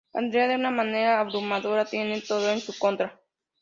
Andrea, de una manera abrumadora, tiene todo en su contra.